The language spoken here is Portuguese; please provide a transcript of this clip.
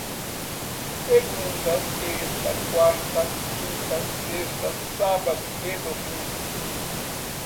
Segunda, terça, quarta, quinta, sexta, sábado e domingo